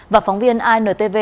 và phóng viên intv